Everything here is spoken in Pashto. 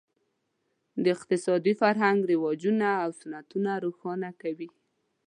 د اقتصادي فرهنګ رواجونه او سنتونه روښانه کوي.